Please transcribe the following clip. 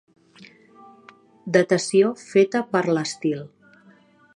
Datació feta per l'estil.